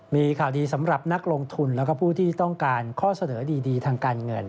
มีข่าวดีสำหรับนักลงทุนแล้วก็ผู้ที่ต้องการข้อเสนอดีทางการเงิน